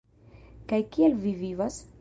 Kaj kiel vi vivas?